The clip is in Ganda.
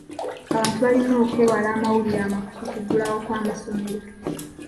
Abantu balina okwewala amawulire amafu ku kuggulawo kw'amasomero.